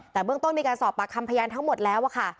แต่เบื้องต้นมีการสอบปากคำพยานทั้งหมดแล้วค่ะ